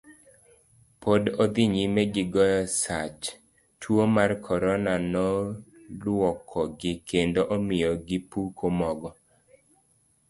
Pod odhi nyime gi goye sach, tuo mar korona noluokogi kendo omiyo gipuko mogo.